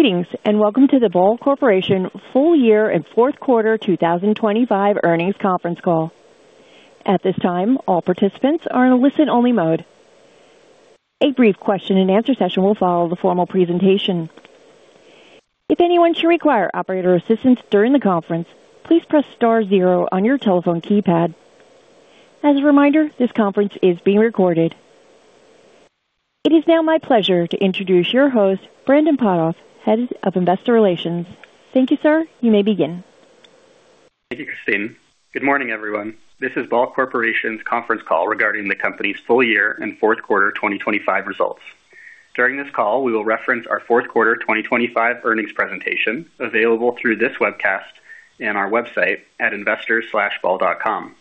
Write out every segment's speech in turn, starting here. Greetings and welcome to the Ball Corporation full year and fourth quarter 2025 earnings conference call. At this time, all participants are in a listen-only mode. A brief question-and-answer session will follow the formal presentation. If anyone should require operator assistance during the conference, please press star zero on your telephone keypad. As a reminder, this conference is being recorded. It is now my pleasure to introduce your host, Brandon Potthoff, Head of Investor Relations. Thank you, sir. You may begin. Thank you, Kristine. Good morning, everyone. This is Ball Corporation's conference call regarding the company's full year and fourth quarter 2025 results. During this call, we will reference our fourth quarter 2025 earnings presentation available through this webcast and our website at investors.ball.com.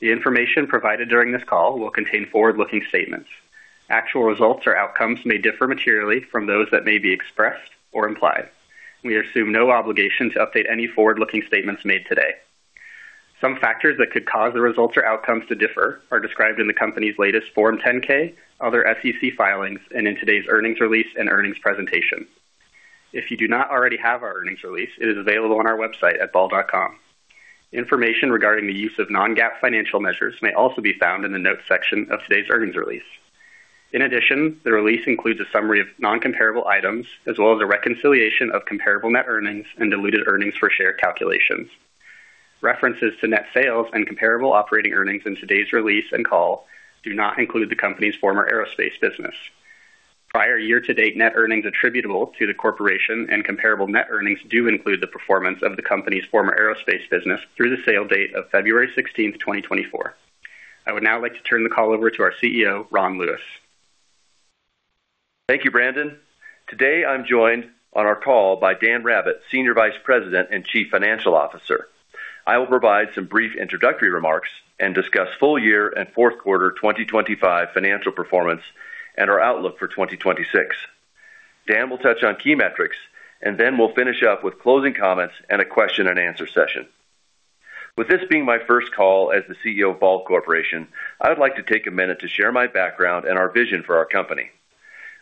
The information provided during this call will contain forward-looking statements. Actual results or outcomes may differ materially from those that may be expressed or implied. We assume no obligation to update any forward-looking statements made today. Some factors that could cause the results or outcomes to differ are described in the company's latest Form 10-K, other SEC filings, and in today's earnings release and earnings presentation. If you do not already have our earnings release, it is available on our website at ball.com. Information regarding the use of non-GAAP financial measures may also be found in the notes section of today's earnings release. In addition, the release includes a summary of non-comparable items as well as a reconciliation of comparable net earnings and diluted earnings per share calculations. References to net sales and comparable operating earnings in today's release and call do not include the company's former aerospace business. Prior year-to-date net earnings attributable to the corporation and comparable net earnings do include the performance of the company's former aerospace business through the sale date of February 16th, 2024. I would now like to turn the call over to our CEO, Ron Lewis. Thank you, Brandon. Today, I'm joined on our call by Dan Rabbitt, Senior Vice President and Chief Financial Officer. I will provide some brief introductory remarks and discuss full year and fourth quarter 2025 financial performance and our outlook for 2026. Dan will touch on key metrics, and then we'll finish up with closing comments and a question-and-answer session. With this being my first call as the CEO of Ball Corporation, I would like to take a minute to share my background and our vision for our company.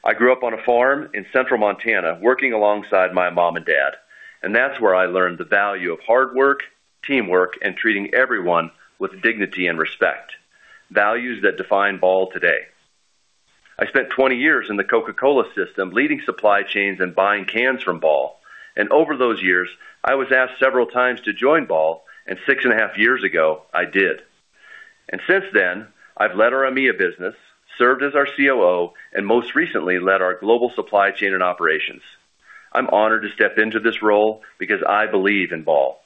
I grew up on a farm in central Montana working alongside my mom and dad, and that's where I learned the value of hard work, teamwork, and treating everyone with dignity and respect, values that define Ball today. I spent 20 years in the Coca-Cola system leading supply chains and buying cans from Ball, and over those years, I was asked several times to join Ball, and 6.5 years ago, I did. Since then, I've led our EMEA business, served as our COO, and most recently led our global supply chain and operations. I'm honored to step into this role because I believe in Ball.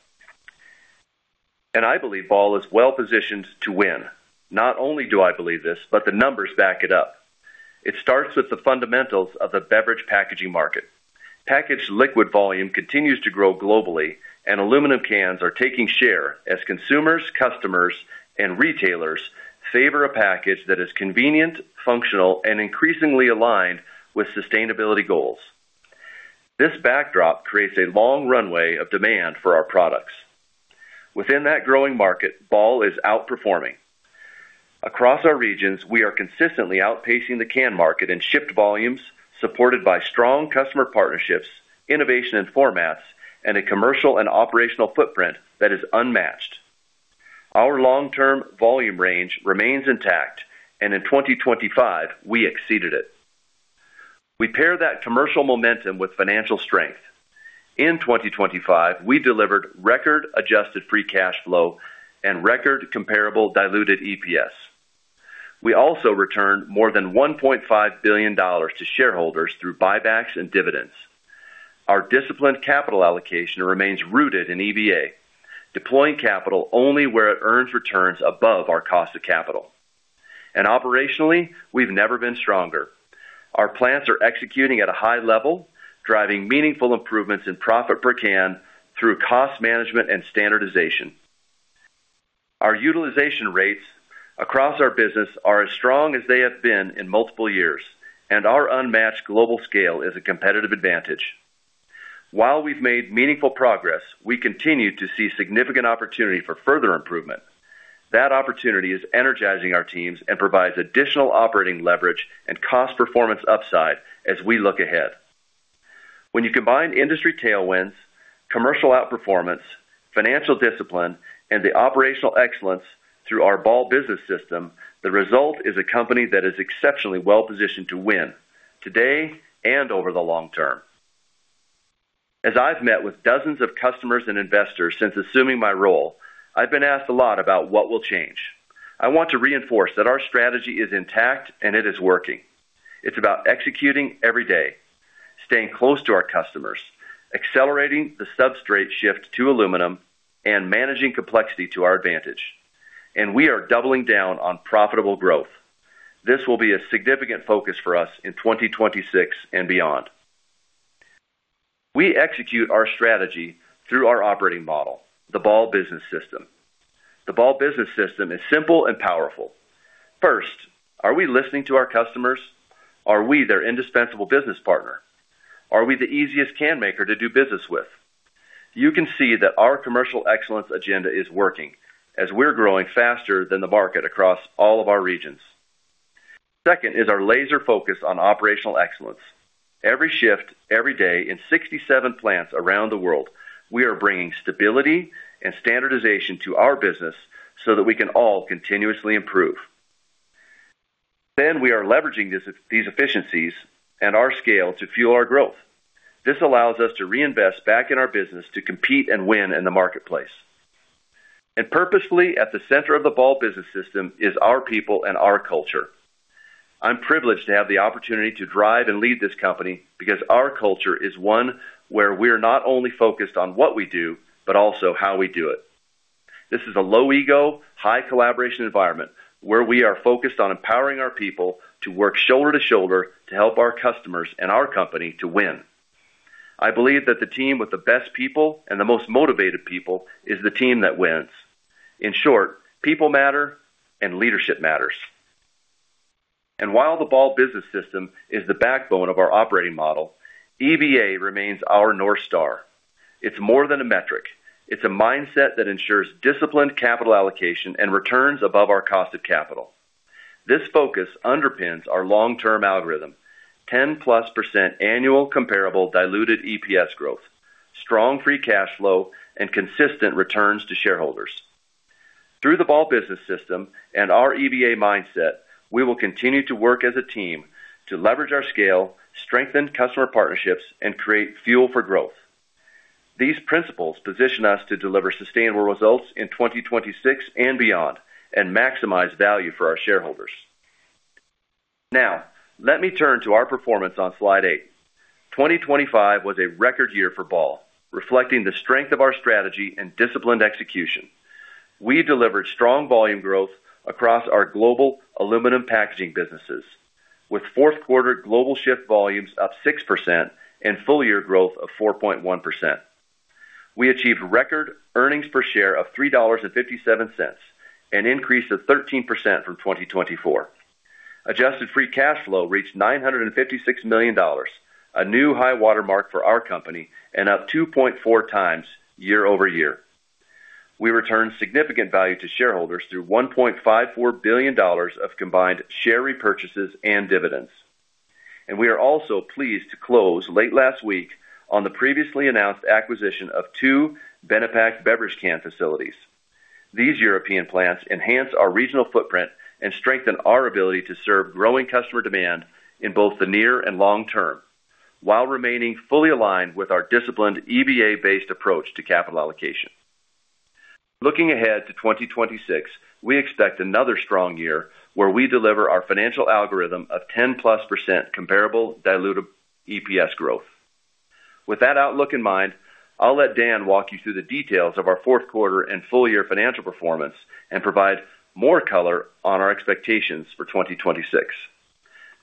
I believe Ball is well positioned to win. Not only do I believe this, but the numbers back it up. It starts with the fundamentals of the beverage packaging market. Packaged liquid volume continues to grow globally, and aluminum cans are taking share as consumers, customers, and retailers favor a package that is convenient, functional, and increasingly aligned with sustainability goals. This backdrop creates a long runway of demand for our products. Within that growing market, Ball is outperforming. Across our regions, we are consistently outpacing the can market in shipped volumes supported by strong customer partnerships, innovation in formats, and a commercial and operational footprint that is unmatched. Our long-term volume range remains intact, and in 2025, we exceeded it. We pair that commercial momentum with financial strength. In 2025, we delivered record adjusted free cash flow and record comparable diluted EPS. We also returned more than $1.5 billion to shareholders through buybacks and dividends. Our disciplined capital allocation remains rooted in EVA, deploying capital only where it earns returns above our cost of capital. Operationally, we've never been stronger. Our plants are executing at a high level, driving meaningful improvements in profit per can through cost management and standardization. Our utilization rates across our business are as strong as they have been in multiple years, and our unmatched global scale is a competitive advantage. While we've made meaningful progress, we continue to see significant opportunity for further improvement. That opportunity is energizing our teams and provides additional operating leverage and cost performance upside as we look ahead. When you combine industry tailwinds, commercial outperformance, financial discipline, and the operational excellence through our Ball Business System, the result is a company that is exceptionally well positioned to win today and over the long term. As I've met with dozens of customers and investors since assuming my role, I've been asked a lot about what will change. I want to reinforce that our strategy is intact and it is working. It's about executing every day, staying close to our customers, accelerating the substrate shift to aluminum, and managing complexity to our advantage. And we are doubling down on profitable growth. This will be a significant focus for us in 2026 and beyond. We execute our strategy through our operating model, the Ball Business System. The Ball Business System is simple and powerful. First, are we listening to our customers? Are we their indispensable business partner? Are we the easiest can maker to do business with? You can see that our commercial excellence agenda is working as we're growing faster than the market across all of our regions. Second is our laser focus on operational excellence. Every shift, every day in 67 plants around the world, we are bringing stability and standardization to our business so that we can all continuously improve. Then we are leveraging these efficiencies and our scale to fuel our growth. This allows us to reinvest back in our business to compete and win in the marketplace. And purposefully, at the center of the Ball Business System is our people and our culture. I'm privileged to have the opportunity to drive and lead this company because our culture is one where we're not only focused on what we do but also how we do it. This is a low ego, high collaboration environment where we are focused on empowering our people to work shoulder to shoulder to help our customers and our company to win. I believe that the team with the best people and the most motivated people is the team that wins. In short, people matter, and leadership matters. While the Ball Business System is the backbone of our operating model, EVA remains our North Star. It's more than a metric. It's a mindset that ensures disciplined capital allocation and returns above our cost of capital. This focus underpins our long-term algorithm: 10%+ annual comparable diluted EPS growth, strong free cash flow, and consistent returns to shareholders. Through the Ball Business System and our EVA mindset, we will continue to work as a team to leverage our scale, strengthen customer partnerships, and create fuel for growth. These principles position us to deliver sustainable results in 2026 and beyond and maximize value for our shareholders. Now, let me turn to our performance on slide 8. 2025 was a record year for Ball, reflecting the strength of our strategy and disciplined execution. We delivered strong volume growth across our global aluminum packaging businesses, with fourth quarter global shift volumes up 6% and full year growth of 4.1%. We achieved record earnings per share of $3.57, an increase of 13% from 2024. Adjusted free cash flow reached $956 million, a new high watermark for our company and up 2.4 times year-over-year. We returned significant value to shareholders through $1.54 billion of combined share repurchases and dividends. We are also pleased to close late last week on the previously announced acquisition of two Benepack beverage can facilities. These European plants enhance our regional footprint and strengthen our ability to serve growing customer demand in both the near and long term while remaining fully aligned with our disciplined EVA-based approach to capital allocation. Looking ahead to 2026, we expect another strong year where we deliver our financial algorithm of 10%+ comparable diluted EPS growth. With that outlook in mind, I'll let Dan walk you through the details of our fourth quarter and full year financial performance and provide more color on our expectations for 2026.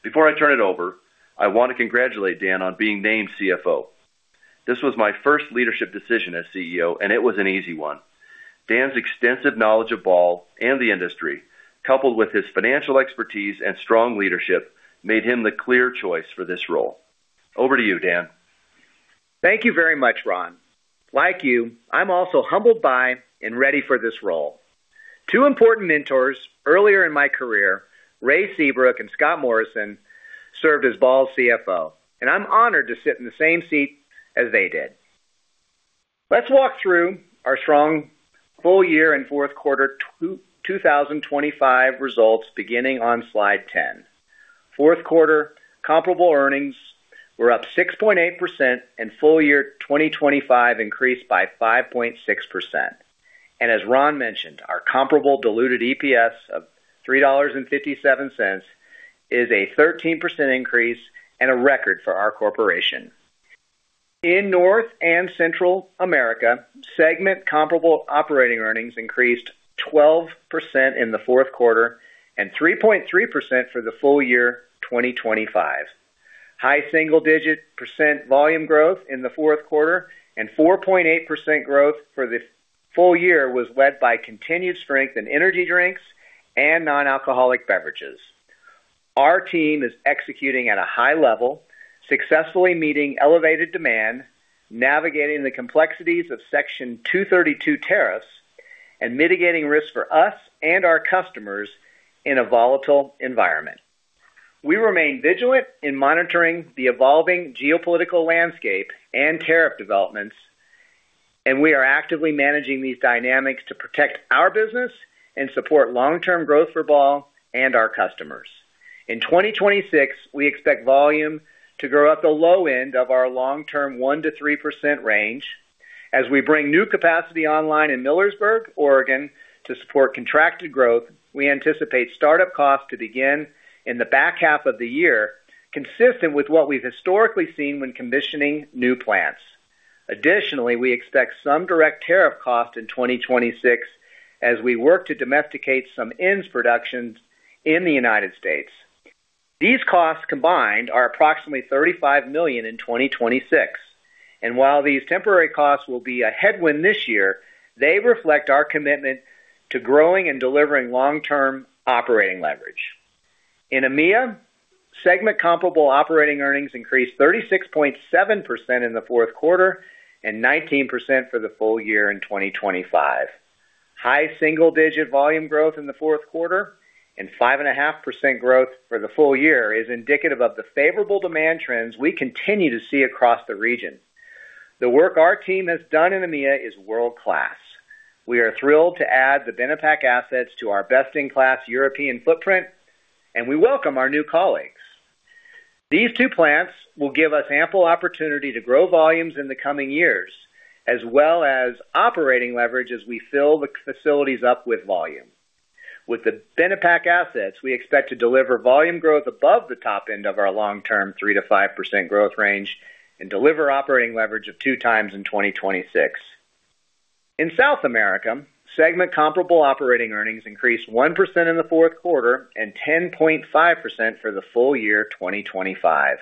Before I turn it over, I want to congratulate Dan on being named CFO. This was my first leadership decision as CEO, and it was an easy one. Dan's extensive knowledge of Ball and the industry, coupled with his financial expertise and strong leadership, made him the clear choice for this role. Over to you, Dan. Thank you very much, Ron. Like you, I'm also humbled by and ready for this role. Two important mentors earlier in my career, Ray Seabrook and Scott Morrison, served as Ball's CFO, and I'm honored to sit in the same seat as they did. Let's walk through our strong full year and fourth quarter 2025 results beginning on slide 10. Fourth quarter, comparable earnings were up 6.8% and full year 2025 increased by 5.6%. And as Ron mentioned, our comparable diluted EPS of $3.57 is a 13% increase and a record for our corporation. In North and Central America, segment comparable operating earnings increased 12% in the fourth quarter and 3.3% for the full year 2025. High single-digit % volume growth in the fourth quarter and 4.8% growth for the full year was led by continued strength in energy drinks and non-alcoholic beverages. Our team is executing at a high level, successfully meeting elevated demand, navigating the complexities of Section 232 tariffs, and mitigating risk for us and our customers in a volatile environment. We remain vigilant in monitoring the evolving geopolitical landscape and tariff developments, and we are actively managing these dynamics to protect our business and support long-term growth for Ball and our customers. In 2026, we expect volume to grow at the low end of our long-term 1%-3% range. As we bring new capacity online in Millersburg, Oregon, to support contracted growth, we anticipate startup costs to begin in the back half of the year, consistent with what we've historically seen when commissioning new plants. Additionally, we expect some direct tariff cost in 2026 as we work to domesticate some ends productions in the United States. These costs combined are approximately $35 million in 2026. While these temporary costs will be a headwind this year, they reflect our commitment to growing and delivering long-term operating leverage. In EMEA, segment comparable operating earnings increased 36.7% in the fourth quarter and 19% for the full year in 2025. High single-digit volume growth in the fourth quarter and 5.5% growth for the full year is indicative of the favorable demand trends we continue to see across the region. The work our team has done in EMEA is world-class. We are thrilled to add the Benepack assets to our best-in-class European footprint, and we welcome our new colleagues. These two plants will give us ample opportunity to grow volumes in the coming years as well as operating leverage as we fill the facilities up with volume. With the Benepack assets, we expect to deliver volume growth above the top end of our long-term 3%-5% growth range and deliver 2x operating leverage in 2026. In South America, segment Comparable Operating Earnings increased 1% in the fourth quarter and 10.5% for the full year 2025.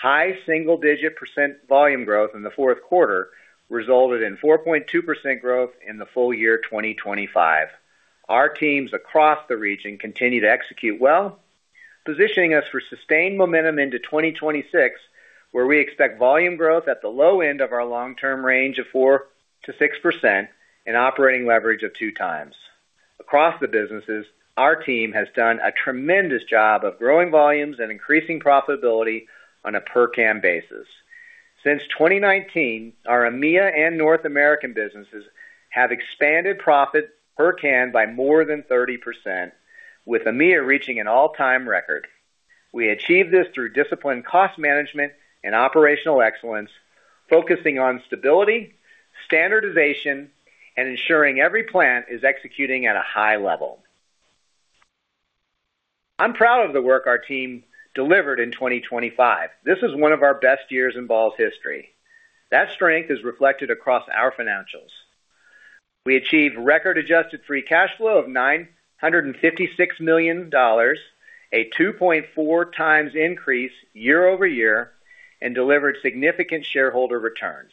High single-digit % volume growth in the fourth quarter resulted in 4.2% growth in the full year 2025. Our teams across the region continue to execute well, positioning us for sustained momentum into 2026 where we expect volume growth at the low end of our long-term range of 4%-6% and 2x operating leverage. Across the businesses, our team has done a tremendous job of growing volumes and increasing profitability on a per-can basis. Since 2019, our EMEA and North American businesses have expanded profit per can by more than 30%, with EMEA reaching an all-time record. We achieved this through disciplined cost management and operational excellence, focusing on stability, standardization, and ensuring every plant is executing at a high level. I'm proud of the work our team delivered in 2025. This is one of our best years in Ball's history. That strength is reflected across our financials. We achieved record adjusted free cash flow of $956 million, a 2.4 times increase year-over-year, and delivered significant shareholder returns.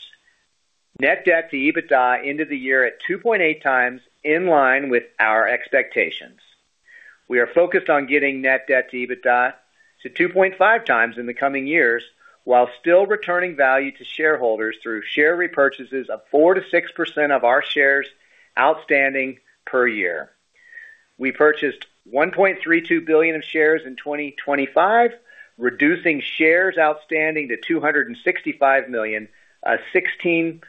Net debt to EBITDA ended the year at 2.8 times, in line with our expectations. We are focused on getting net debt to EBITDA to 2.5 times in the coming years while still returning value to shareholders through share repurchases of 4%-6% of our shares outstanding per year. We purchased $1.32 billion of shares in 2025, reducing shares outstanding to 265 million, a 16%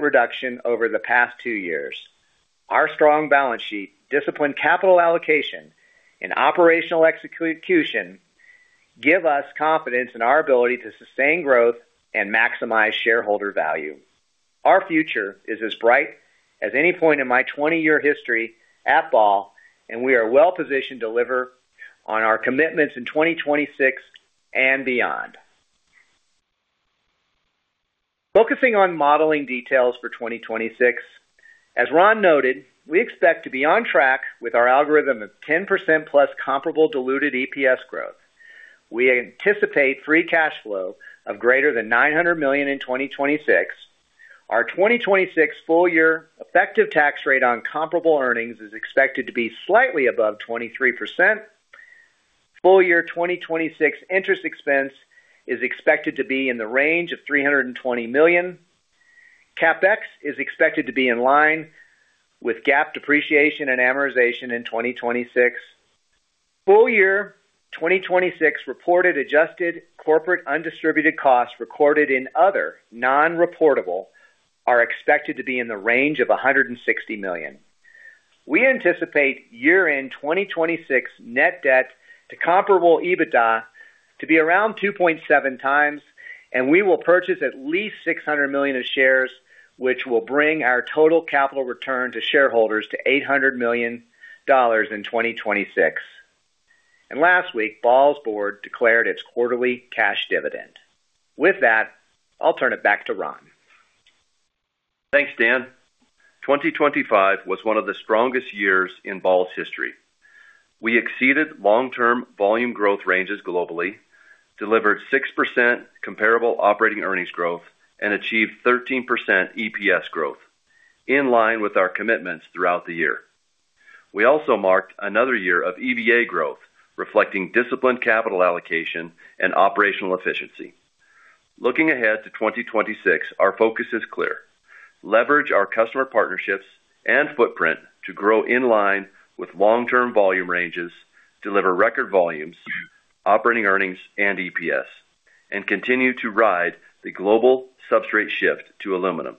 reduction over the past two years. Our strong balance sheet, disciplined capital allocation, and operational execution give us confidence in our ability to sustain growth and maximize shareholder value. Our future is as bright as any point in my 20-year history at Ball, and we are well positioned to deliver on our commitments in 2026 and beyond. Focusing on modeling details for 2026, as Ron noted, we expect to be on track with our algorithm of 10%+ comparable diluted EPS growth. We anticipate free cash flow of greater than $900 million in 2026. Our 2026 full year effective tax rate on comparable earnings is expected to be slightly above 23%. Full year 2026 interest expense is expected to be in the range of $320 million. CapEx is expected to be in line with GAAP depreciation and amortization in 2026. Full year 2026 reported adjusted corporate undistributed costs recorded in other non-reportable are expected to be in the range of $160 million. We anticipate year-end 2026 net debt to comparable EBITDA to be around 2.7 times, and we will purchase at least 600 million of shares, which will bring our total capital return to shareholders to $800 million in 2026. Last week, Ball's board declared its quarterly cash dividend. With that, I'll turn it back to Ron. Thanks, Dan. 2025 was one of the strongest years in Ball's history. We exceeded long-term volume growth ranges globally, delivered 6% comparable operating earnings growth, and achieved 13% EPS growth, in line with our commitments throughout the year. We also marked another year of EVA growth, reflecting disciplined capital allocation and operational efficiency. Looking ahead to 2026, our focus is clear: leverage our customer partnerships and footprint to grow in line with long-term volume ranges, deliver record volumes, operating earnings, and EPS, and continue to ride the global substrate shift to aluminum.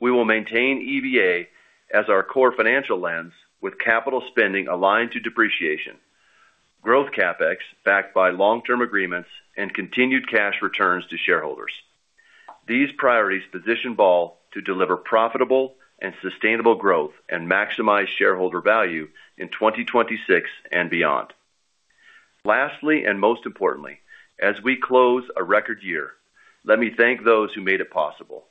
We will maintain EVA as our core financial lens, with capital spending aligned to depreciation, growth CapEx backed by long-term agreements, and continued cash returns to shareholders. These priorities position Ball to deliver profitable and sustainable growth and maximize shareholder value in 2026 and beyond. Lastly and most importantly, as we close a record year, let me thank those who made it possible: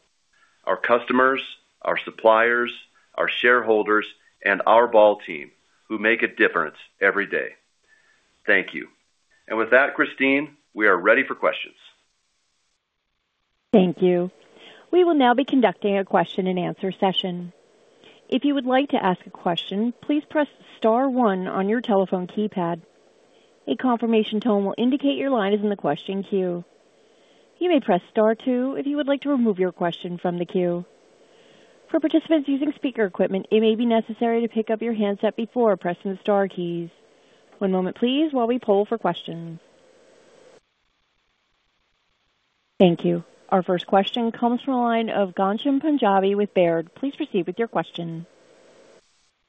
our customers, our suppliers, our shareholders, and our Ball team who make a difference every day. Thank you. And with that, Kristine, we are ready for questions. Thank you. We will now be conducting a question-and-answer session. If you would like to ask a question, please press star 1 on your telephone keypad. A confirmation tone will indicate your line is in the question queue. You may press star 2 if you would like to remove your question from the queue. For participants using speaker equipment, it may be necessary to pick up your handset before pressing the star keys. One moment, please, while we pull for questions. Thank you. Our first question comes from a line of Ghansham Panjabi with Baird. Please proceed with your question.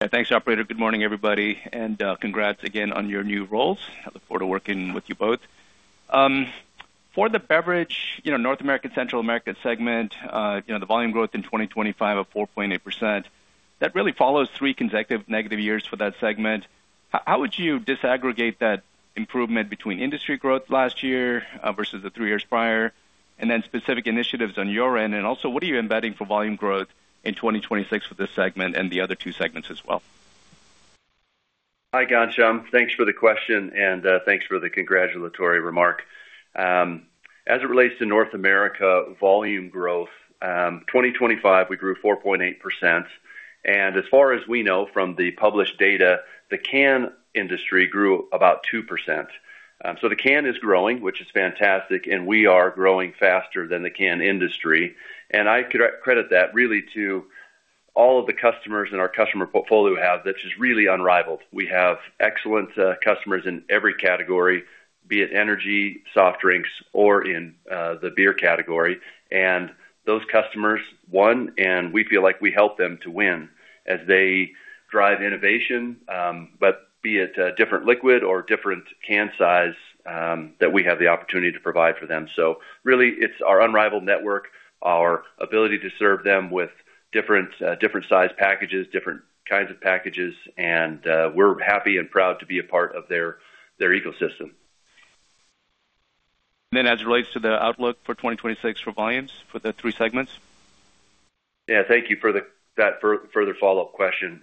Thanks, operator. Good morning, everybody, and congrats again on your new roles. I look forward to working with you both. For the beverage North and Central America segment, the volume growth in 2025 of 4.8%, that really follows three consecutive negative years for that segment. How would you disaggregate that improvement between industry growth last year versus the three years prior, and then specific initiatives on your end? Also, what are you embedding for volume growth in 2026 for this segment and the other two segments as well? Hi, Ghansham. Thanks for the question, and thanks for the congratulatory remark. As it relates to North America volume growth, 2025, we grew 4.8%. And as far as we know from the published data, the can industry grew about 2%. So the can is growing, which is fantastic, and we are growing faster than the can industry. And I credit that really to all of the customers and our customer portfolio have that's just really unrivaled. We have excellent customers in every category, be it energy, soft drinks, or in the beer category. And those customers won, and we feel like we helped them to win as they drive innovation, be it different liquid or different can size that we have the opportunity to provide for them. Really, it's our unrivaled network, our ability to serve them with different size packages, different kinds of packages, and we're happy and proud to be a part of their ecosystem. And then as it relates to the outlook for 2026 for volumes for the three segments? Yeah. Thank you for that further follow-up question.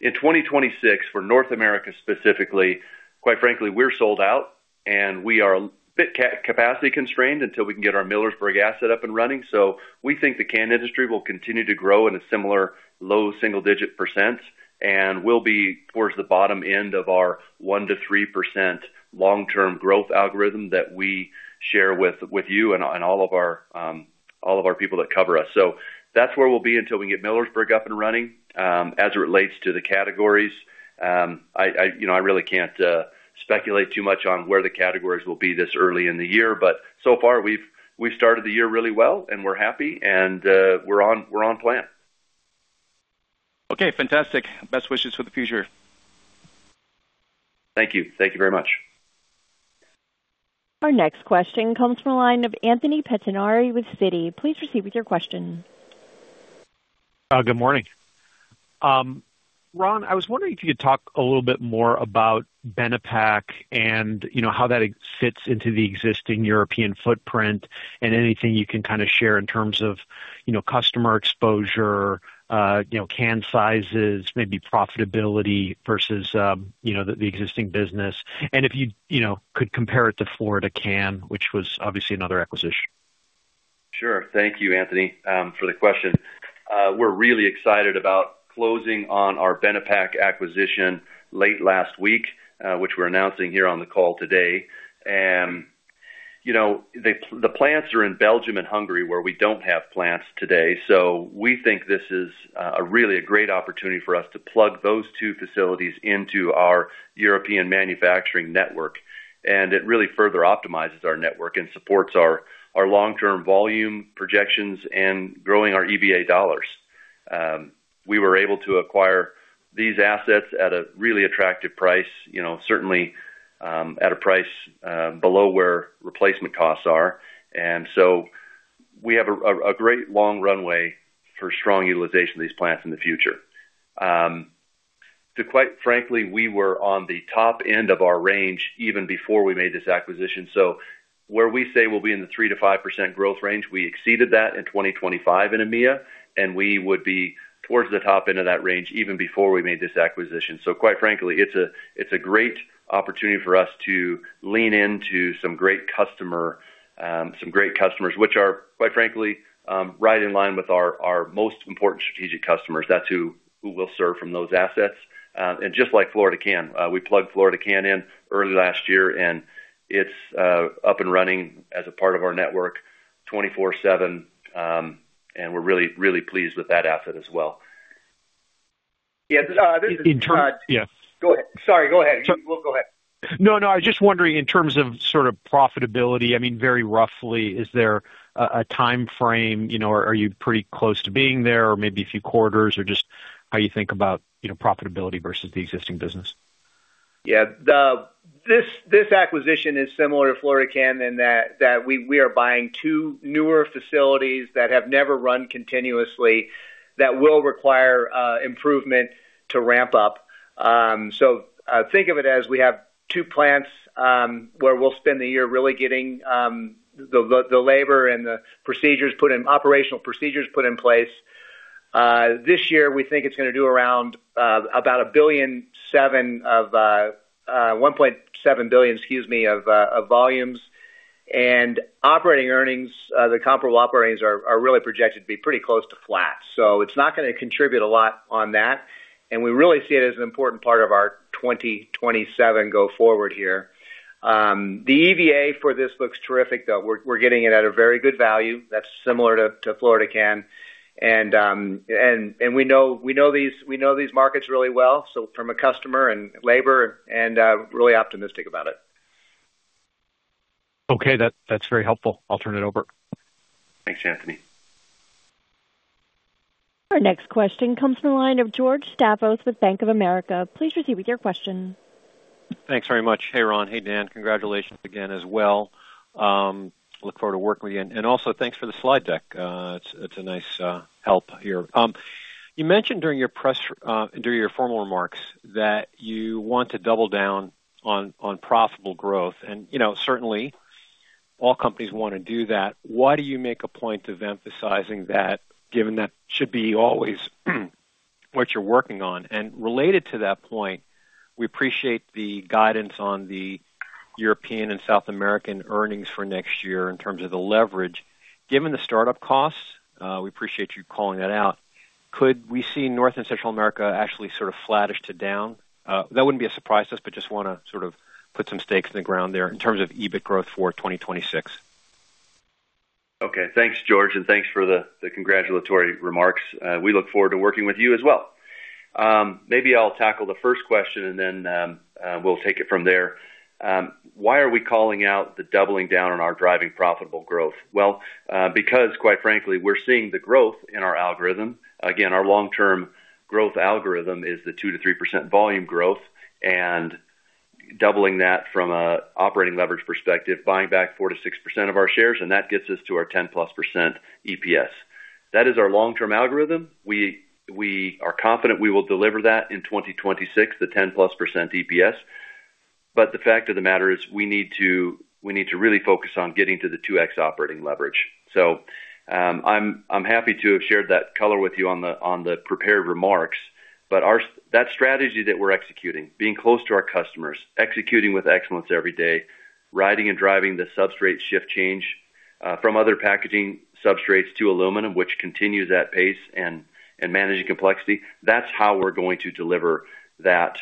In 2026, for North America specifically, quite frankly, we're sold out, and we are a bit capacity constrained until we can get our Millersburg asset up and running. So we think the can industry will continue to grow in a similar low single-digit % and will be towards the bottom end of our 1%-3% long-term growth algorithm that we share with you and all of our people that cover us. So that's where we'll be until we get Millersburg up and running. As it relates to the categories, I really can't speculate too much on where the categories will be this early in the year. But so far, we've started the year really well, and we're happy, and we're on plan. Okay. Fantastic. Best wishes for the future. Thank you. Thank you very much. Our next question comes from a line of Anthony Pettinari with Citi. Please proceed with your question. Good morning. Ron, I was wondering if you could talk a little bit more about Benepack and how that fits into the existing European footprint and anything you can kind of share in terms of customer exposure, can sizes, maybe profitability versus the existing business, and if you could compare it to Florida Can, which was obviously another acquisition? Sure. Thank you, Anthony, for the question. We're really excited about closing on our Benepack acquisition late last week, which we're announcing here on the call today. The plants are in Belgium and Hungary where we don't have plants today. So we think this is really a great opportunity for us to plug those two facilities into our European manufacturing network, and it really further optimizes our network and supports our long-term volume projections and growing our EVA dollars. We were able to acquire these assets at a really attractive price, certainly at a price below where replacement costs are. And so we have a great long runway for strong utilization of these plants in the future. Quite frankly, we were on the top end of our range even before we made this acquisition. So where we say we'll be in the 3%-5% growth range, we exceeded that in 2025 in EMEA, and we would be towards the top end of that range even before we made this acquisition. So quite frankly, it's a great opportunity for us to lean into some great customers, which are, quite frankly, right in line with our most important strategic customers. That's who we'll serve from those assets. And just like Florida Can, we plugged Florida Can in early last year, and it's up and running as a part of our network 24/7, and we're really, really pleased with that asset as well. Yeah. This is. In terms of. Yes. Go ahead. Sorry. Go ahead. Well, go ahead. No, no. I was just wondering in terms of sort of profitability. I mean, very roughly, is there a timeframe? Are you pretty close to being there or maybe a few quarters or just how you think about profitability versus the existing business? Yeah. This acquisition is similar to Florida Can in that we are buying two newer facilities that have never run continuously that will require improvement to ramp up. So think of it as we have two plants where we'll spend the year really getting the labor and the operational procedures put in place. This year, we think it's going to do around about 1.7 billion, excuse me, of volumes. And operating earnings, the comparable operating earnings, are really projected to be pretty close to flat. So it's not going to contribute a lot on that, and we really see it as an important part of our 2027 go forward here. The EVA for this looks terrific, though. We're getting it at a very good value. That's similar to Florida Can. And we know these markets really well from a customer and labor and really optimistic about it. Okay. That's very helpful. I'll turn it over. Thanks, Anthony. Our next question comes from a line of George Staphos with Bank of America. Please proceed with your question. Thanks very much. Hey, Ron. Hey, Dan. Congratulations again as well. Look forward to working with you. And also, thanks for the slide deck. It's a nice help here. You mentioned during your formal remarks that you want to double down on profitable growth. And certainly, all companies want to do that. Why do you make a point of emphasizing that, given that should be always what you're working on? And related to that point, we appreciate the guidance on the European and South American earnings for next year in terms of the leverage. Given the startup costs, we appreciate you calling that out, could we see North and Central America actually sort of flattish to down? That wouldn't be a surprise to us, but just want to sort of put some stakes in the ground there in terms of EBIT growth for 2026. Okay. Thanks, George, and thanks for the congratulatory remarks. We look forward to working with you as well. Maybe I'll tackle the first question, and then we'll take it from there. Why are we calling out the doubling down on our driving profitable growth? Well, because, quite frankly, we're seeing the growth in our algorithm. Again, our long-term growth algorithm is the 2%-3% volume growth. And doubling that from an operating leverage perspective, buying back 4%-6% of our shares, and that gets us to our 10%+ EPS. That is our long-term algorithm. We are confident we will deliver that in 2026, the 10%+ EPS. But the fact of the matter is we need to really focus on getting to the 2x operating leverage. So I'm happy to have shared that color with you on the prepared remarks. But that strategy that we're executing, being close to our customers, executing with excellence every day, riding and driving the substrate shift change from other packaging substrates to aluminum, which continues at pace and managing complexity, that's how we're going to deliver that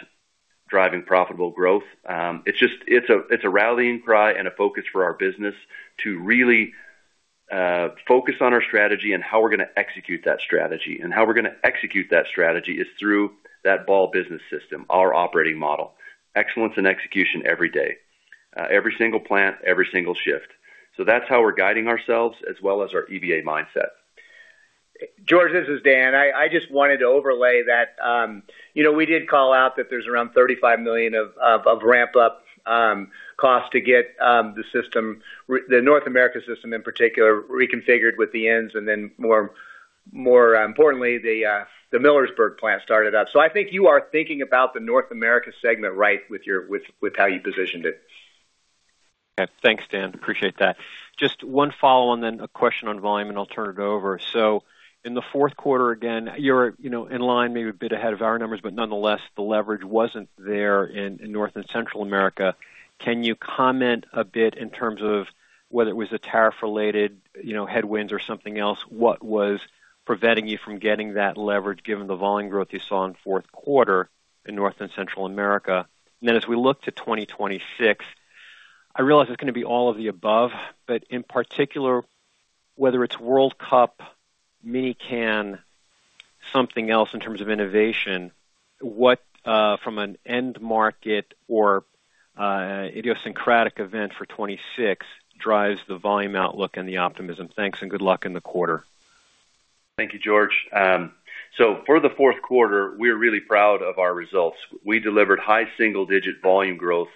driving profitable growth. It's a rallying cry and a focus for our business to really focus on our strategy and how we're going to execute that strategy. And how we're going to execute that strategy is through that Ball Business System, our operating model, excellence and execution every day, every single plant, every single shift. So that's how we're guiding ourselves as well as our EVA mindset. George, this is Dan. I just wanted to overlay that we did call out that there's around $35 million of ramp-up costs to get the North America system in particular reconfigured with the ends. And then more importantly, the Millersburg plant started up. So I think you are thinking about the North America segment right with how you positioned it. Okay. Thanks, Dan. Appreciate that. Just one follow-up and then a question on volume, and I'll turn it over. So in the fourth quarter, again, you're in line maybe a bit ahead of our numbers, but nonetheless, the leverage wasn't there in North and Central America. Can you comment a bit in terms of whether it was the tariff-related headwinds or something else? What was preventing you from getting that leverage given the volume growth you saw in fourth quarter in North and Central America? And then as we look to 2026, I realize it's going to be all of the above, but in particular, whether it's World Cup, Mini Can, something else in terms of innovation, what from an end market or idiosyncratic event for 2026 drives the volume outlook and the optimism? Thanks and good luck in the quarter. Thank you, George. So for the fourth quarter, we're really proud of our results. We delivered high single-digit volume growth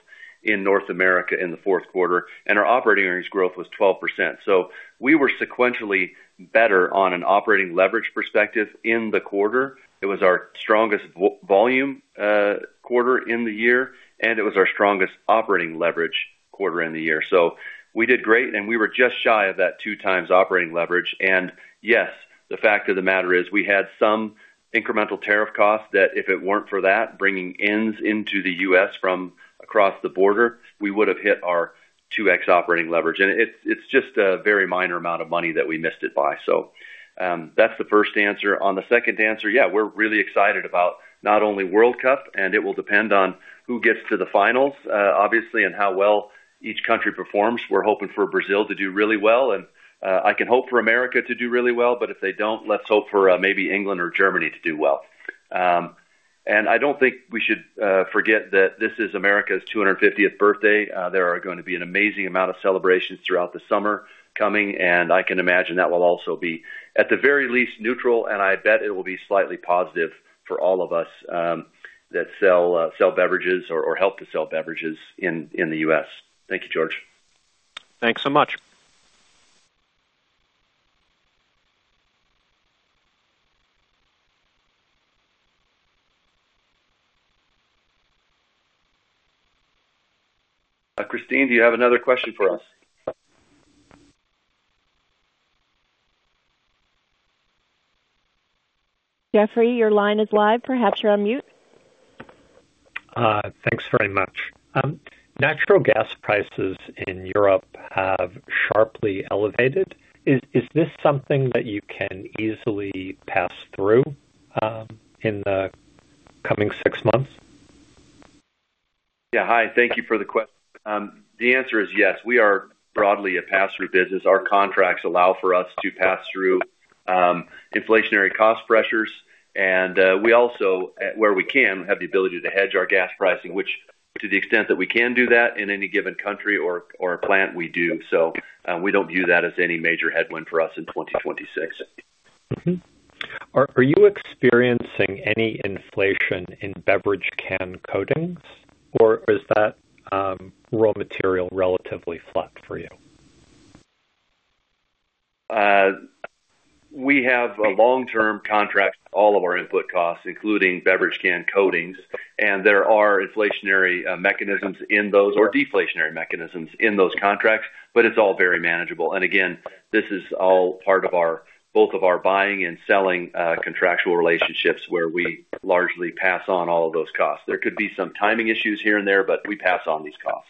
in North America in the fourth quarter, and our operating earnings growth was 12%. So we were sequentially better on an operating leverage perspective in the quarter. It was our strongest volume quarter in the year, and it was our strongest operating leverage quarter in the year. So we did great, and we were just shy of that 2x operating leverage. And yes, the fact of the matter is we had some incremental tariff costs that if it weren't for that bringing ends into the U.S. from across the border, we would have hit our 2x operating leverage. And it's just a very minor amount of money that we missed it by. So that's the first answer. On the second answer, yeah, we're really excited about not only World Cup, and it will depend on who gets to the finals, obviously, and how well each country performs. We're hoping for Brazil to do really well. And I can hope for America to do really well, but if they don't, let's hope for maybe England or Germany to do well. And I don't think we should forget that this is America's 250th birthday. There are going to be an amazing amount of celebrations throughout the summer coming, and I can imagine that will also be, at the very least, neutral, and I bet it will be slightly positive for all of us that sell beverages or help to sell beverages in the U.S. Thank you, George. Thanks so much. Kristine, do you have another question for us? Jeffrey, your line is live. Perhaps you're on mute. Thanks very much. Natural gas prices in Europe have sharply elevated. Is this something that you can easily pass through in the coming six months? Yeah. Hi. Thank you for the question. The answer is yes. We are broadly a pass-through business. Our contracts allow for us to pass through inflationary cost pressures. We also, where we can, have the ability to hedge our gas pricing, which to the extent that we can do that in any given country or plant, we do. We don't view that as any major headwind for us in 2026. Are you experiencing any inflation in beverage can coatings, or is that raw material relatively flat for you? We have a long-term contract. All of our input costs, including beverage can coatings. There are inflationary mechanisms in those or deflationary mechanisms in those contracts, but it's all very manageable. Again, this is all part of both of our buying and selling contractual relationships where we largely pass on all of those costs. There could be some timing issues here and there, but we pass on these costs.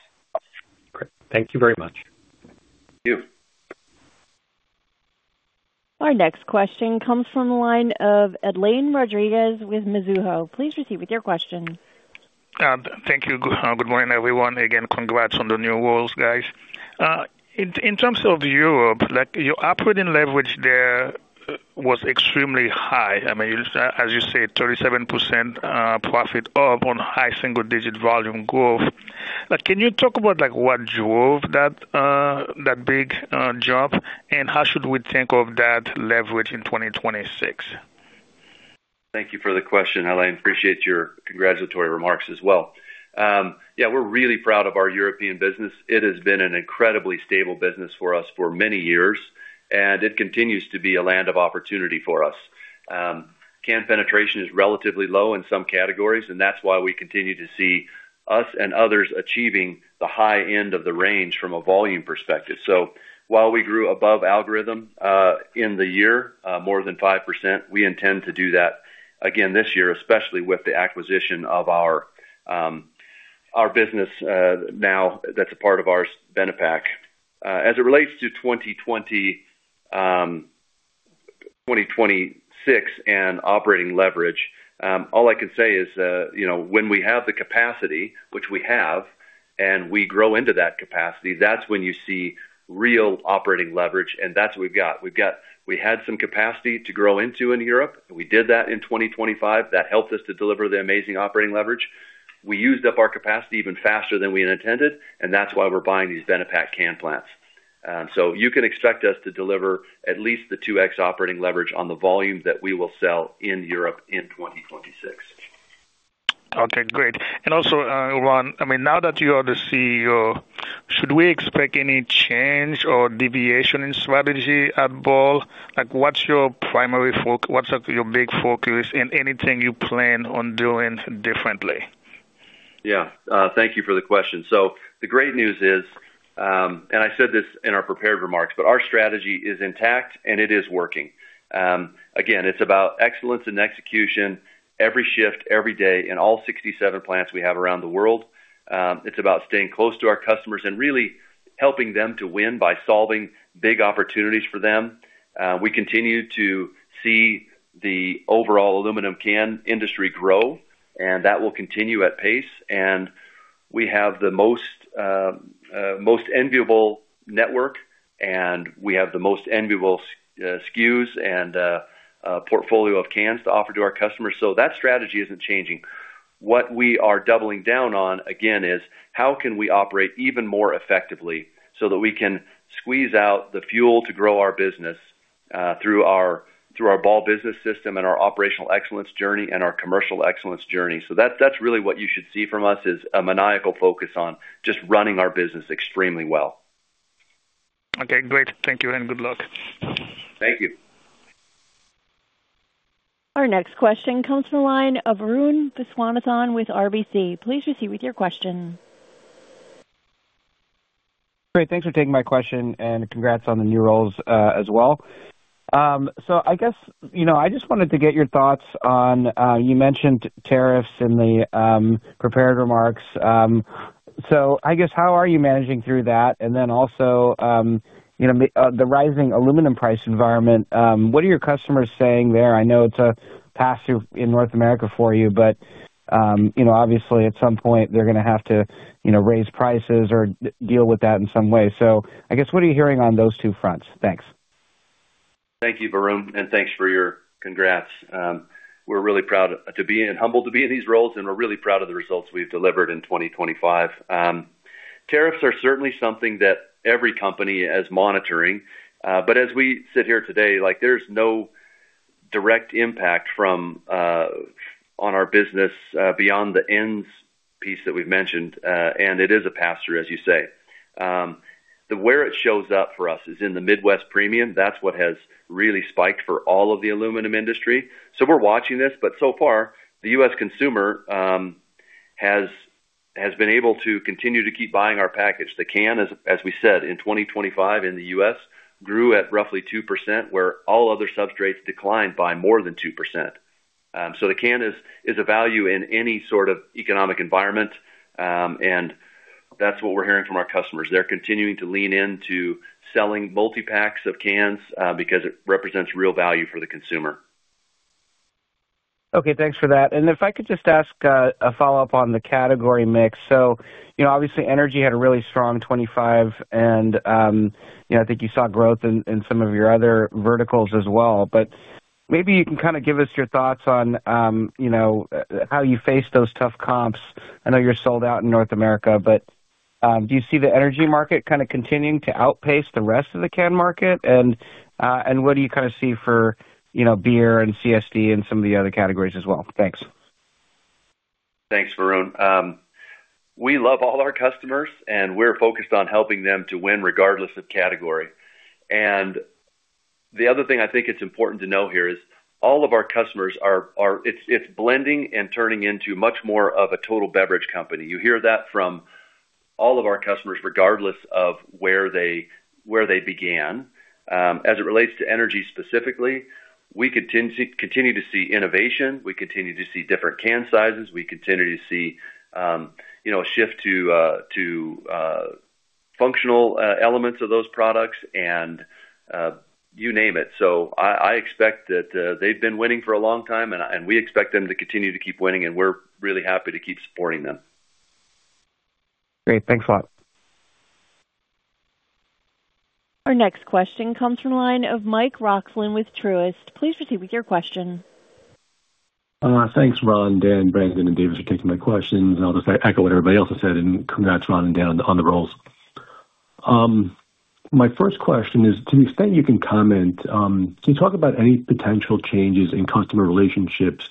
Great. Thank you very much. You. Our next question comes from the line of Edlain Rodriguez with Mizuho. Please proceed with your question. Thank you. Good morning, everyone. Again, congrats on the new rules, guys. In terms of Europe, your operating leverage there was extremely high. I mean, as you say, 37% profit up on high single-digit volume growth. Can you talk about what drove that big jump, and how should we think of that leverage in 2026? Thank you for the question, Edlain. Appreciate your congratulatory remarks as well. Yeah, we're really proud of our European business. It has been an incredibly stable business for us for many years, and it continues to be a land of opportunity for us. Can penetration is relatively low in some categories, and that's why we continue to see us and others achieving the high end of the range from a volume perspective. So while we grew above algorithm in the year, more than 5%, we intend to do that again this year, especially with the acquisition of our business now that's a part of our Benepack. As it relates to 2026 and operating leverage, all I can say is when we have the capacity, which we have, and we grow into that capacity, that's when you see real operating leverage, and that's what we've got. We had some capacity to grow into in Europe. We did that in 2025. That helped us to deliver the amazing operating leverage. We used up our capacity even faster than we intended, and that's why we're buying these Benepack can plants. You can expect us to deliver at least the 2x operating leverage on the volume that we will sell in Europe in 2026. Okay. Great. And also, Ron, I mean, now that you are the CEO, should we expect any change or deviation in strategy at Ball? What's your primary focus? What's your big focus in anything you plan on doing differently? Yeah. Thank you for the question. So the great news is, and I said this in our prepared remarks, but our strategy is intact, and it is working. Again, it's about excellence and execution every shift, every day in all 67 plants we have around the world. It's about staying close to our customers and really helping them to win by solving big opportunities for them. We continue to see the overall aluminum can industry grow, and that will continue at pace. And we have the most enviable network, and we have the most enviable SKUs and portfolio of cans to offer to our customers. So that strategy isn't changing. What we are doubling down on, again, is how can we operate even more effectively so that we can squeeze out the fuel to grow our business through our Ball Business System and our operational excellence journey and our commercial excellence journey. So that's really what you should see from us is a maniacal focus on just running our business extremely well. Okay. Great. Thank you, and good luck. Thank you. Our next question comes from a line of Arun Viswanathan with RBC. Please proceed with your question. Great. Thanks for taking my question, and congrats on the new rules as well. So I guess I just wanted to get your thoughts on you mentioned tariffs in the prepared remarks. So I guess how are you managing through that? And then also, the rising aluminum price environment, what are your customers saying there? I know it's a pass-through in North America for you, but obviously, at some point, they're going to have to raise prices or deal with that in some way. So I guess what are you hearing on those two fronts? Thanks. Thank you, Arun, and thanks for your congrats. We're really proud to be and humbled to be in these roles, and we're really proud of the results we've delivered in 2025. Tariffs are certainly something that every company is monitoring. But as we sit here today, there's no direct impact on our business beyond the ends piece that we've mentioned, and it is a pass-through, as you say. Where it shows up for us is in the Midwest Premium. That's what has really spiked for all of the aluminum industry. So we're watching this. But so far, the U.S. consumer has been able to continue to keep buying our package. The can, as we said, in 2025 in the U.S. grew at roughly 2%, where all other substrates declined by more than 2%. So the can is a value in any sort of economic environment, and that's what we're hearing from our customers. They're continuing to lean into selling multi-packs of cans because it represents real value for the consumer. Okay. Thanks for that. And if I could just ask a follow-up on the category mix. So obviously, energy had a really strong 2025, and I think you saw growth in some of your other verticals as well. But maybe you can kind of give us your thoughts on how you faced those tough comps. I know you're sold out in North America, but do you see the energy market kind of continuing to outpace the rest of the can market? And what do you kind of see for beer and CSD and some of the other categories as well? Thanks. Thanks, Arun. We love all our customers, and we're focused on helping them to win regardless of category. The other thing I think it's important to know here is all of our customers, it's blending and turning into much more of a total beverage company. You hear that from all of our customers regardless of where they began. As it relates to energy specifically, we continue to see innovation. We continue to see different can sizes. We continue to see a shift to functional elements of those products, and you name it. I expect that they've been winning for a long time, and we expect them to continue to keep winning, and we're really happy to keep supporting them. Great. Thanks a lot. Our next question comes from a line of Mike Roxland with Truist. Please proceed with your question. Thanks, Ron, Dan, Brandon, and Davis for taking my questions. I'll just echo what everybody else has said, and congrats, Ron, and Dan on the roles. My first question is, to the extent you can comment, can you talk about any potential changes in customer relationships,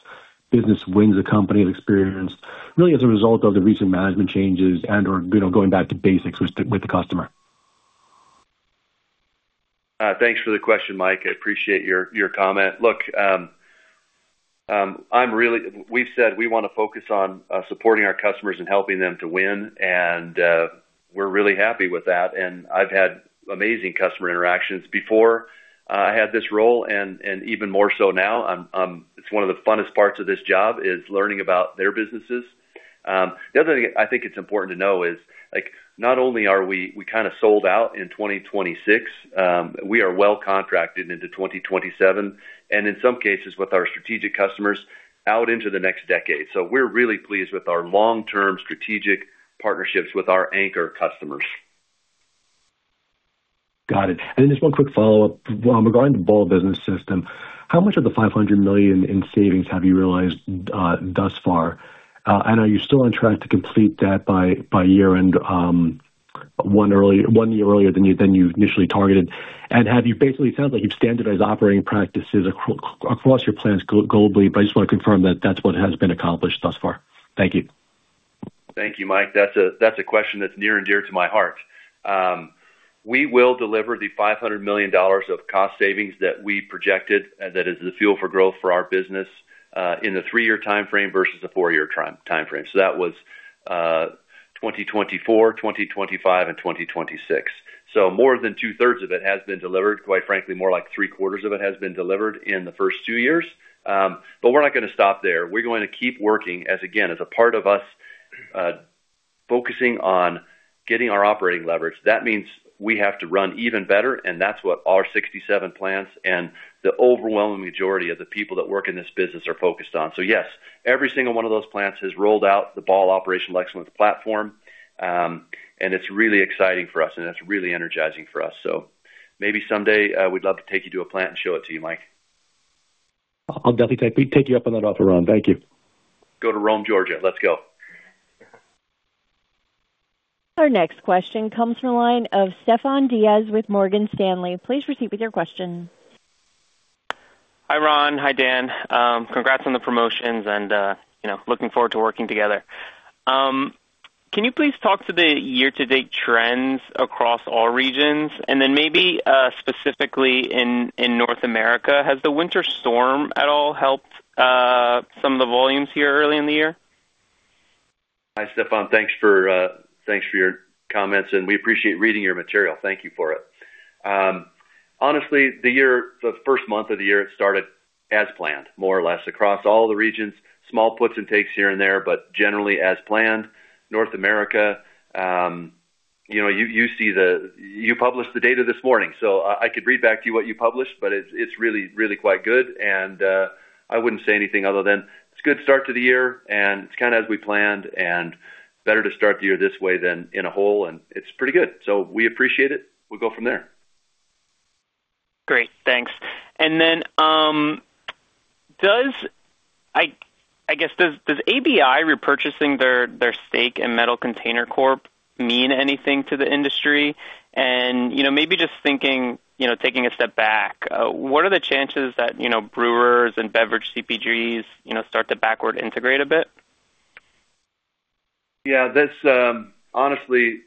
business wins the company has experienced, really as a result of the recent management changes and/or going back to basics with the customer? Thanks for the question, Mike. I appreciate your comment. Look, we've said we want to focus on supporting our customers and helping them to win, and we're really happy with that. And I've had amazing customer interactions before I had this role, and even more so now. It's one of the funnest parts of this job is learning about their businesses. The other thing I think it's important to know is not only are we kind of sold out in 2026, we are well contracted into 2027, and in some cases, with our strategic customers out into the next decade. So we're really pleased with our long-term strategic partnerships with our anchor customers. Got it. And then just one quick follow-up. Regarding the Ball Business System, how much of the $500 million in savings have you realized thus far? And are you still on track to complete that by year-end, one year earlier than you initially targeted? And have you basically, it sounds like you've standardized operating practices across your plants globally, but I just want to confirm that that's what has been accomplished thus far. Thank you. Thank you, Mike. That's a question that's near and dear to my heart. We will deliver the $500 million of cost savings that we projected that is the fuel for growth for our business in the three-year timeframe versus the four-year timeframe. So that was 2024, 2025, and 2026. So more than two-thirds of it has been delivered. Quite frankly, more like three-quarters of it has been delivered in the first two years. But we're not going to stop there. We're going to keep working, again, as a part of us focusing on getting our operating leverage, that means we have to run even better, and that's what our 67 plants and the overwhelming majority of the people that work in this business are focused on. So yes, every single one of those plants has rolled out the Ball Operational Excellence platform, and it's really exciting for us, and it's really energizing for us. So maybe someday, we'd love to take you to a plant and show it to you, Mike. I'll definitely take you up on that offer, Ron. Thank you. Go to Rome, Georgia. Let's go. Our next question comes from a line of Stefan Diaz with Morgan Stanley. Please proceed with your question. Hi, Ron. Hi, Dan. Congrats on the promotions, and looking forward to working together. Can you please talk to the year-to-date trends across all regions, and then maybe specifically in North America? Has the winter storm at all helped some of the volumes here early in the year? Hi, Stefan. Thanks for your comments, and we appreciate reading your material. Thank you for it. Honestly, the first month of the year, it started as planned, more or less, across all the regions, small puts and takes here and there, but generally as planned. North America, you publish the data this morning, so I could read back to you what you published, but it's really, really quite good. And I wouldn't say anything other than it's a good start to the year, and it's kind of as we planned, and better to start the year this way than in a hole, and it's pretty good. So we appreciate it. We'll go from there. Great. Thanks. And then, I guess, does ABI repurchasing their stake in Metal Container Corp mean anything to the industry? And maybe just taking a step back, what are the chances that brewers and beverage CPGs start to backward integrate a bit? Yeah. Honestly,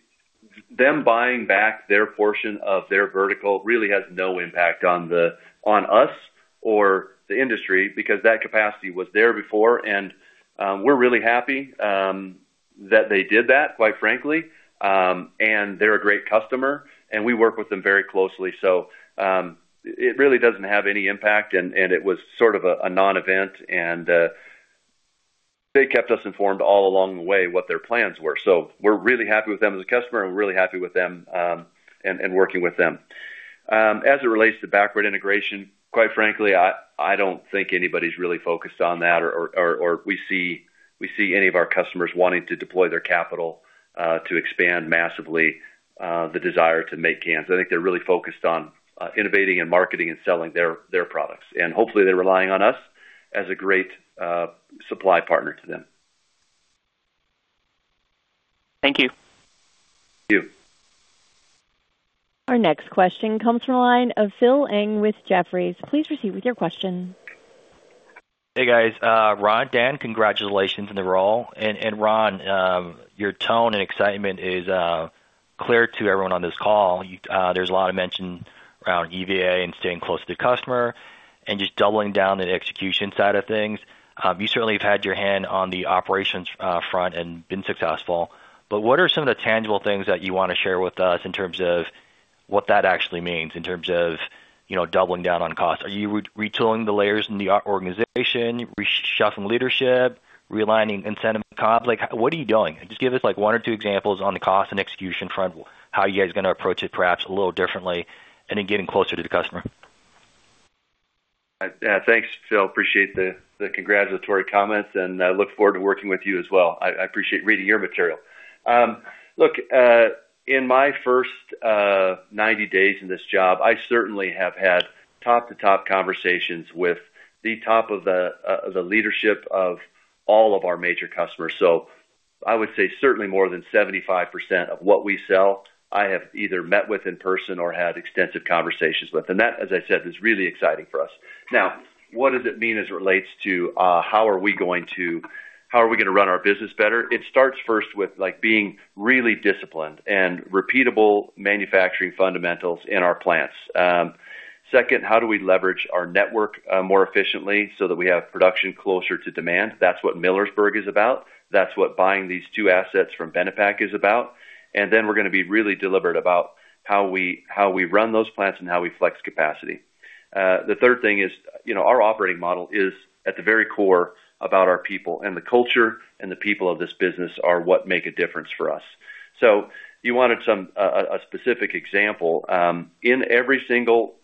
them buying back their portion of their vertical really has no impact on us or the industry because that capacity was there before, and we're really happy that they did that, quite frankly. They're a great customer, and we work with them very closely. It really doesn't have any impact, and it was sort of a non-event, and they kept us informed all along the way what their plans were. We're really happy with them as a customer, and we're really happy with them and working with them. As it relates to backward integration, quite frankly, I don't think anybody's really focused on that, or we see any of our customers wanting to deploy their capital to expand massively the desire to make cans. I think they're really focused on innovating and marketing and selling their products. Hopefully, they're relying on us as a great supply partner to them. Thank you. You. Our next question comes from a line of Phil Ng with Jefferies. Please proceed with your question. Hey, guys. Ron, Dan, congratulations in the role. And Ron, your tone and excitement is clear to everyone on this call. There's a lot of mention around EVA and staying close to the customer and just doubling down the execution side of things. You certainly have had your hand on the operations front and been successful, but what are some of the tangible things that you want to share with us in terms of what that actually means, in terms of doubling down on cost? Are you retooling the layers in the organization, reshuffling leadership, realigning incentive and comps? What are you doing? Just give us one or two examples on the cost and execution front, how you guys are going to approach it perhaps a little differently, and then getting closer to the customer. Yeah. Thanks, Phil. Appreciate the congratulatory comments, and I look forward to working with you as well. I appreciate reading your material. Look, in my first 90 days in this job, I certainly have had top-to-top conversations with the top of the leadership of all of our major customers. So I would say certainly more than 75% of what we sell, I have either met with in person or had extensive conversations with. And that, as I said, is really exciting for us. Now, what does it mean as it relates to how are we going to run our business better? It starts first with being really disciplined and repeatable manufacturing fundamentals in our plants. Second, how do we leverage our network more efficiently so that we have production closer to demand? That's what Millersburg is about. That's what buying these two assets from Benepack is about. And then we're going to be really deliberate about how we run those plants and how we flex capacity. The third thing is our operating model is, at the very core, about our people, and the culture and the people of this business are what make a difference for us. So you wanted some specific example. In every single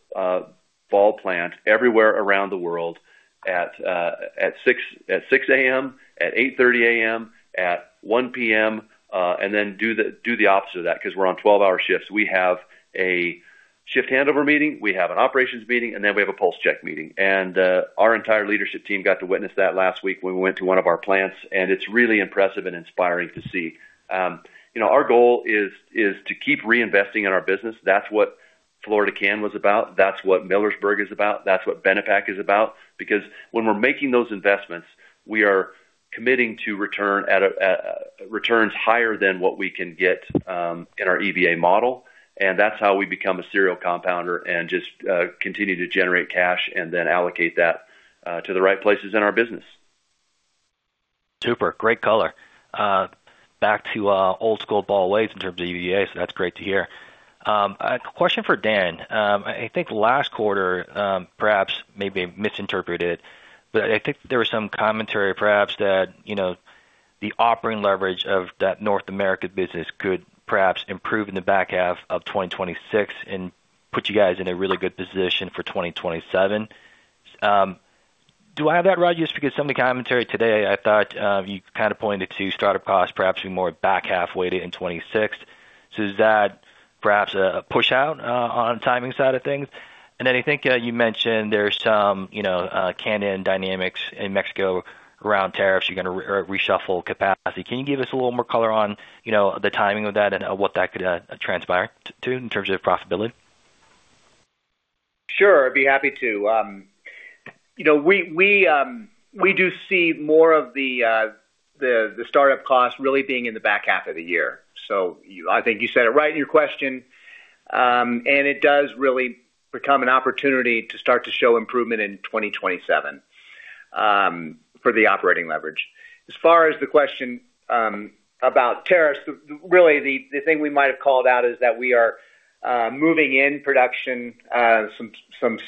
Ball plant, everywhere around the world, at 6:00 A.M., at 8:30 A.M., at 1:00 P.M., and then do the opposite of that because we're on 12-hour shifts. We have a shift handover meeting. We have an operations meeting. And then we have a pulse check meeting. And our entire leadership team got to witness that last week when we went to one of our plants, and it's really impressive and inspiring to see. Our goal is to keep reinvesting in our business. That's what Florida Can was about. That's what Millersburg is about. That's what Benepack is about. Because when we're making those investments, we are committing to returns higher than what we can get in our EVA model, and that's how we become a serial compounder and just continue to generate cash and then allocate that to the right places in our business. Super. Great color. Back to old-school Ball ways in terms of EVA, so that's great to hear. A question for Dan. I think last quarter, perhaps maybe I misinterpreted it, but I think there was some commentary, perhaps, that the operating leverage of that North America business could perhaps improve in the back half of 2026 and put you guys in a really good position for 2027. Do I have that, Ron? Just because some of the commentary today, I thought you kind of pointed to startup costs perhaps being more back-half weighted in 2026. So is that perhaps a push-out on the timing side of things? And then I think you mentioned there's some Cannon Dynamics in Mexico around tariffs. You're going to reshuffle capacity. Can you give us a little more color on the timing of that and what that could transpire to in terms of profitability? Sure. I'd be happy to. We do see more of the startup costs really being in the back half of the year. So I think you said it right in your question, and it does really become an opportunity to start to show improvement in 2027 for the operating leverage. As far as the question about tariffs, really, the thing we might have called out is that we are moving in production, some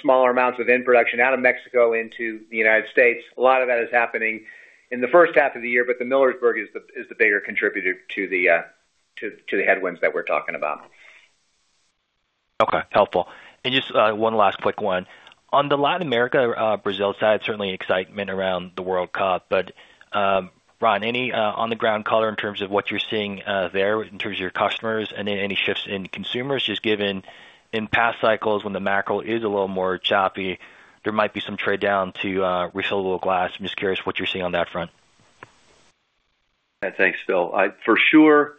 smaller amounts of in-production out of Mexico into the United States. A lot of that is happening in the first half of the year, but the Millersburg is the bigger contributor to the headwinds that we're talking about. Okay. Helpful. And just one last quick one. On the Latin America, Brazil side, certainly excitement around the World Cup. But Ron, any on-the-ground color in terms of what you're seeing there in terms of your customers and then any shifts in consumers? Just given in past cycles, when the macro is a little more choppy, there might be some trade-down to refillable glass. I'm just curious what you're seeing on that front? Yeah. Thanks, Phil. For sure,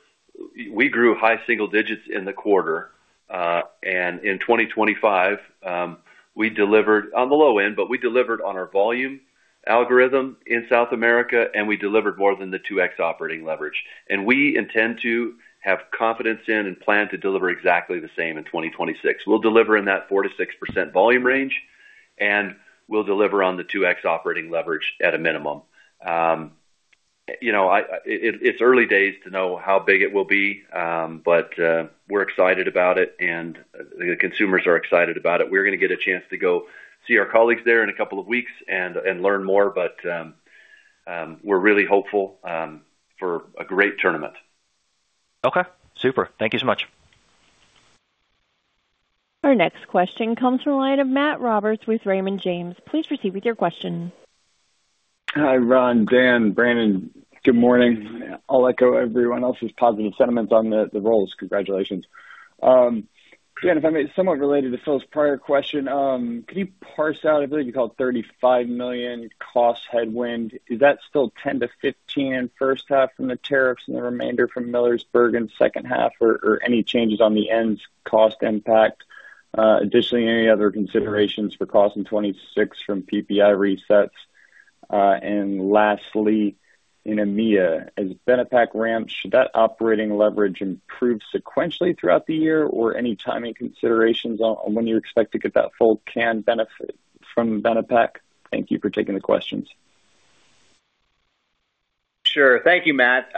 we grew high single digits in the quarter. In 2025, we delivered on the low end, but we delivered on our volume algorithm in South America, and we delivered more than the 2x operating leverage. We intend to have confidence in and plan to deliver exactly the same in 2026. We'll deliver in that 4%-6% volume range, and we'll deliver on the 2x operating leverage at a minimum. It's early days to know how big it will be, but we're excited about it, and the consumers are excited about it. We're going to get a chance to go see our colleagues there in a couple of weeks and learn more, but we're really hopeful for a great tournament. Okay. Super. Thank you so much. Our next question comes from a line of Matt Roberts with Raymond James. Please proceed with your question. Hi, Ron, Dan, Brandon. Good morning. I'll echo everyone else's positive sentiments on the results. Congratulations. Dan, if I may, somewhat related to Phil's prior question, can you parse out, I believe you called $35 million cost headwind. Is that still $10 million-$15 million first half from the tariffs and the remainder from Millersburg in second half, or any changes on the ends cost impact? Additionally, any other considerations for cost in 2026 from PPI resets? And lastly, in EMEA, as Benepack ramps, should that operating leverage improve sequentially throughout the year, or any timing considerations on when you expect to get that full can benefit from Benepack? Thank you for taking the questions. Sure. Thank you, Matt.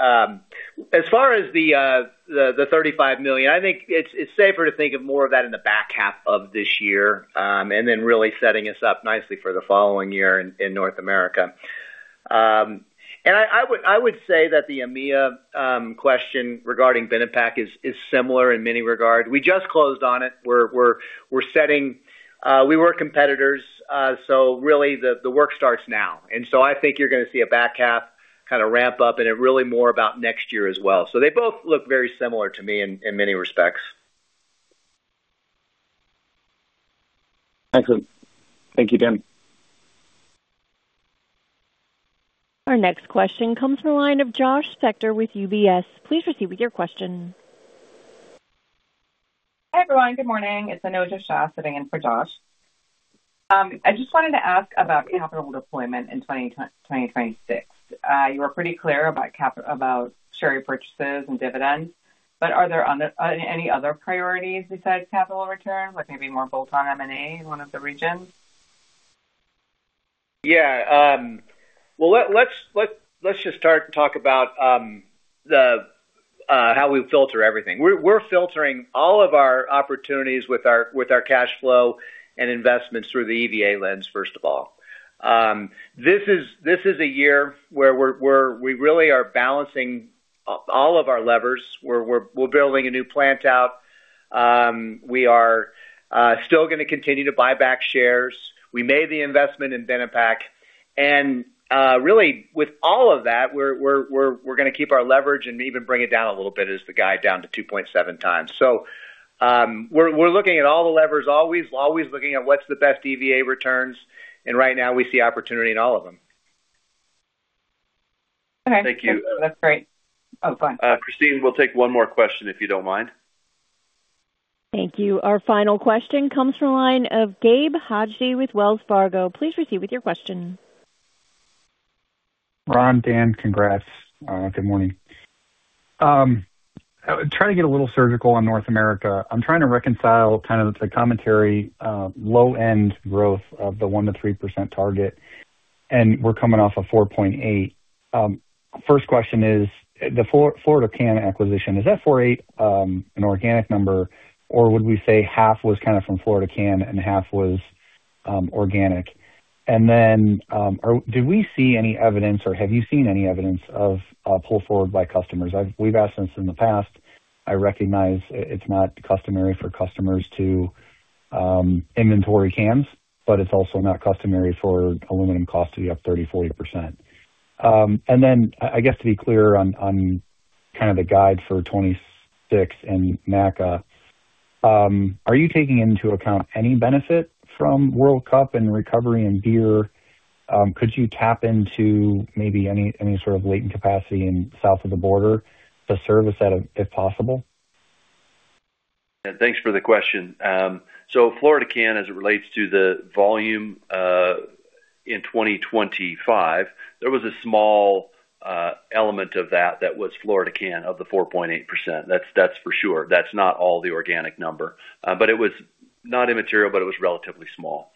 As far as the $35 million, I think it's safer to think of more of that in the back half of this year and then really setting us up nicely for the following year in North America. And I would say that the EMEA question regarding Benepack is similar in many regards. We just closed on it. We were competitors, so really, the work starts now. And so I think you're going to see a back half kind of ramp up, and it really more about next year as well. So they both look very similar to me in many respects. Excellent. Thank you, Dan. Our next question comes from a line of Josh Spector with UBS. Please proceed with your question. Hi, everyone. Good morning. It's Anojja Shah sitting in for Josh. I just wanted to ask about capital deployment in 2026. You were pretty clear about share repurchases and dividends, but are there any other priorities besides capital return, like maybe more bolt-on M&A in one of the regions? Yeah. Well, let's just start and talk about how we filter everything. We're filtering all of our opportunities with our cash flow and investments through the EVA lens, first of all. This is a year where we really are balancing all of our levers. We're building a new plant out. We are still going to continue to buy back shares. We made the investment in Benepack. And really, with all of that, we're going to keep our leverage and even bring it down a little bit, as the guide, down to 2.7x. So we're looking at all the levers, always looking at what's the best EVA returns. And right now, we see opportunity in all of them. Thank you. Okay. That's great. Oh, go ahead. Kristine, we'll take one more question if you don't mind. Thank you. Our final question comes from a line of Gabe Hajde with Wells Fargo. Please proceed with your question. Ron, Dan, congrats. Good morning. Trying to get a little surgical on North America. I'm trying to reconcile kind of the commentary, low-end growth of the 1%-3% target, and we're coming off of 4.8. First question is the Florida Can acquisition. Is that 4.8 an organic number, or would we say half was kind of from Florida Can and half was organic? And then do we see any evidence, or have you seen any evidence of pull forward by customers? We've asked this in the past. I recognize it's not customary for customers to inventory cans, but it's also not customary for aluminum cost to be up 30%-40%. And then I guess to be clear on kind of the guide for 2026 and NCA, are you taking into account any benefit from World Cup and recovery in beer? Could you tap into maybe any sort of latent capacity in south of the border to serve a set of, if possible? Yeah. Thanks for the question. So Florida Can, as it relates to the volume in 2025, there was a small element of that that was Florida Can of the 4.8%. That's for sure. That's not all the organic number. But it was not immaterial, but it was relatively small.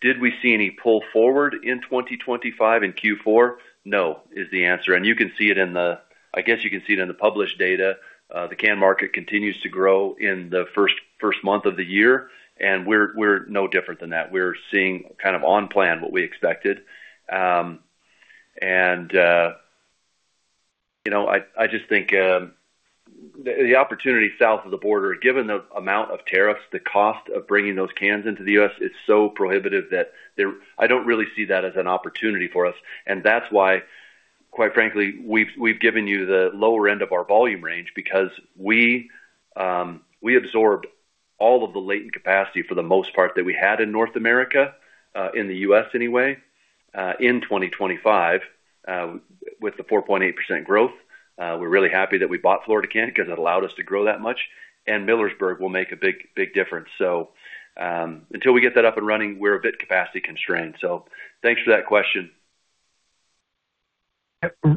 Did we see any pull forward in 2025 in Q4? No is the answer. And you can see it in the, I guess, you can see it in the published data. The can market continues to grow in the first month of the year, and we're no different than that. We're seeing kind of on plan what we expected. And I just think the opportunity south of the border, given the amount of tariffs, the cost of bringing those cans into the U.S., is so prohibitive that I don't really see that as an opportunity for us. That's why, quite frankly, we've given you the lower end of our volume range because we absorbed all of the latent capacity, for the most part, that we had in North America, in the U.S. anyway, in 2025 with the 4.8% growth. We're really happy that we bought Florida Can because it allowed us to grow that much. Millersburg will make a big difference. So until we get that up and running, we're a bit capacity constrained. So thanks for that question.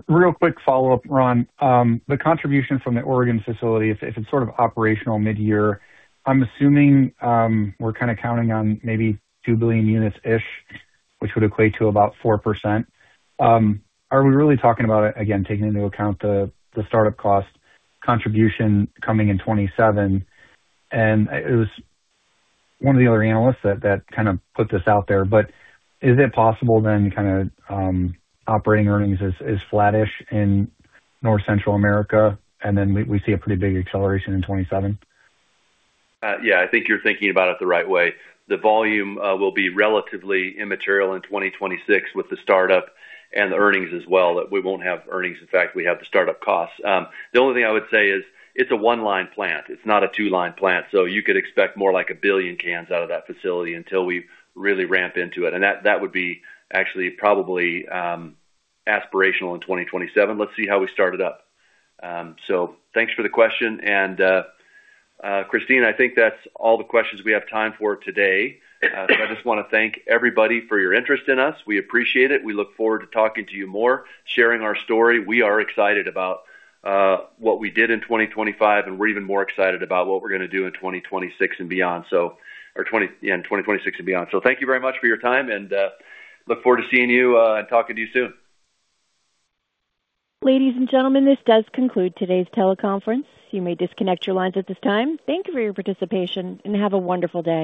Real quick follow-up, Ron. The contribution from the Oregon facility, if it's sort of operational mid-year, I'm assuming we're kind of counting on maybe 2 billion units-ish, which would equate to about 4%. Are we really talking about it, again, taking into account the startup cost contribution coming in 2027? And it was one of the other analysts that kind of put this out there. But is it possible then kind of operating earnings is flat-ish in North and Central America, and then we see a pretty big acceleration in 2027? Yeah. I think you're thinking about it the right way. The volume will be relatively immaterial in 2026 with the startup and the earnings as well, that we won't have earnings. In fact, we have the startup costs. The only thing I would say is it's a one-line plant. It's not a two-line plant. So you could expect more like 1 billion cans out of that facility until we really ramp into it. And that would be actually probably aspirational in 2027. Let's see how we start it up. So thanks for the question. And Kristine, I think that's all the questions we have time for today. So I just want to thank everybody for your interest in us. We appreciate it. We look forward to talking to you more, sharing our story. We are excited about what we did in 2025, and we're even more excited about what we're going to do in 2026 and beyond, so yeah, in 2026 and beyond. So thank you very much for your time, and look forward to seeing you and talking to you soon. Ladies and gentlemen, this does conclude today's teleconference. You may disconnect your lines at this time. Thank you for your participation, and have a wonderful day.